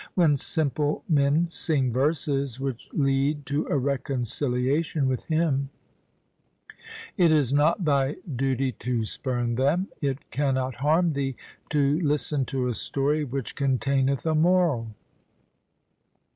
When simple men sing verses which lead to a reconciliation with Him, it is not thy duty to spurn them. It cannot harm thee to listen to a story which containeth a moral.'